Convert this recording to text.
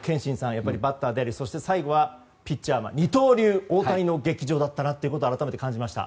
やっぱりバッターでありそして最後はピッチャーとして二刀流、大谷の劇場だったなと改めて感じました。